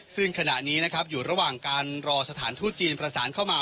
ซึ่งขณะนี้นะครับอยู่ระหว่างการรอสถานทูตจีนประสานเข้ามา